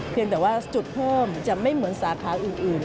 เพียงแต่ว่าจุดเพิ่มจะไม่เหมือนสาธารณ์อื่น